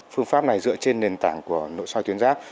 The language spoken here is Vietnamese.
phương pháp này dựa trên nền tảng của nội soi tuyến giáp